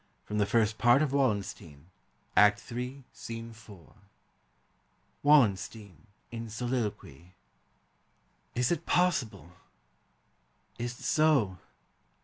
FROM THE FIRST TART OF " WALLENSTEIN," ACT III. SC. 4. Wallenstein (in soliloquy). Is it possible? Is'tso?